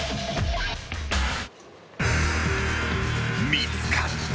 ［見つかった］